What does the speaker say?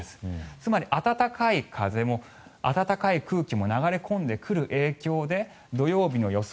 つまり暖かい風も暖かい空気も流れ込んでくる影響で土曜日の予想